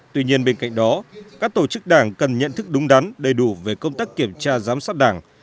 tuy nhiên bên cạnh đó các tổ chức đảng cần nhận thức đúng đắn đầy đủ về công tác kiểm tra giám sát đảng